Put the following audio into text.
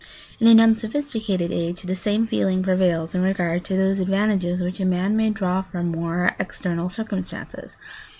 In an unsophisticated age the same feeling prevails in regard to those advantages which a man may draw from more external circumstances.